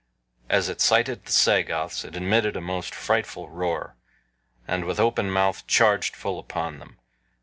As it sighted the Sagoths it emitted a most frightful roar, and with open mouth charged full upon them.